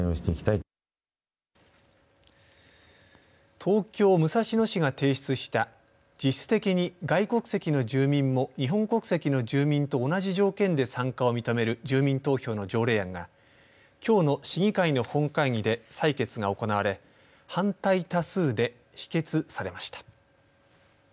東京、武蔵野市が提出した実質的に、外国籍の住民も日本国籍の住民と同じ条件で参加を認める住民投票の条例案がきょうの市議会の本会議で採決が行われ反対多数で否決されました。